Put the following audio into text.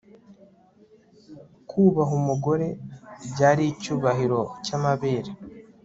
kubaha umugore, byari icyubahiro cy'amabere